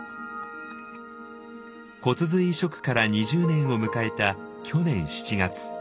骨髄移植から２０年を迎えた去年７月。